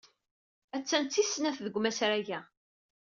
Attan d tis snat deg umasrag-a.